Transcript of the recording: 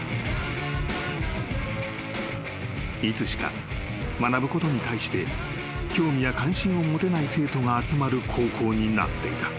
［いつしか学ぶことに対して興味や関心を持てない生徒が集まる高校になっていた］